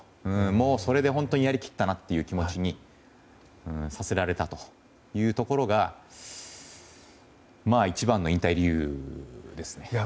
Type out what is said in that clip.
それで本当にやり切ったなという気持ちにさせられたというところが一番の引退理由ですね。